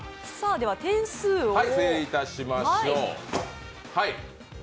点数を整理いたしましょう。